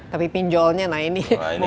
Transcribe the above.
tapi pinjolnya nah ini